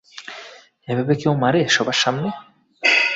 এভাবে কেউ মারে, সবার সামনে?